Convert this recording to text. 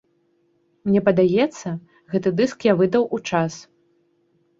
Мне падаецца, гэты дыск я выдаў у час.